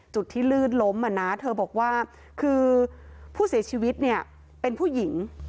จุดที่ลื่นล้มอ่ะนะเธอบอกว่าคือผู้เสียชีวิตเนี่ยเป็นผู้หญิง